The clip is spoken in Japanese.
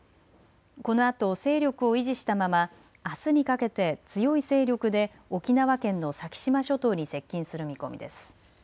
このあと勢力を維持したままあすにかけて強い勢力で沖縄県の先島諸島に接近する見込みです。